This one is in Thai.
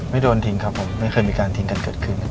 โดนทิ้งครับผมไม่เคยมีการทิ้งกันเกิดขึ้น